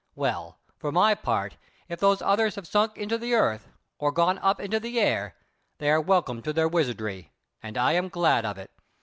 Well, for my part if those others have sunk into the earth, or gone up into the air, they are welcome to their wizardry, and I am glad of it.